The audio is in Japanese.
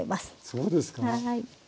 そうですか。